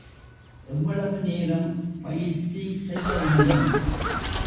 எவ்வளவு நேரம் பயிற்சி செய்ய வேண்டும்?